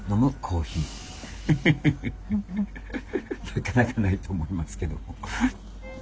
なかなかないと思いますけども。